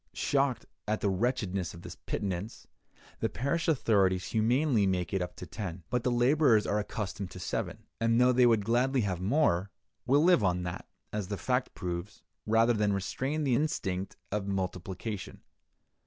Shocked at the wretchedness of this pittance, the parish authorities humanely make it up to ten. But the laborers are accustomed to seven, and though they would gladly have more, will live on that (as the fact proves) rather than restrain the instinct of multiplication.